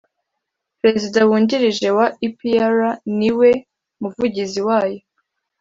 prezida wungirije wa epr niwe muvugizi wayo